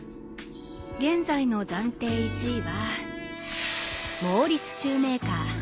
現在の暫定１位はモーリスシューメーカー。